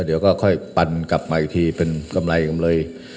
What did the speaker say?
เดี๋ยวก็ค่อยปันกลับมาอีกทีเป็นกำไรกำไร